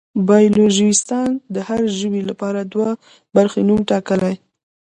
بایولوژېسټان د هر ژوي لپاره دوه برخې نوم ټاکي.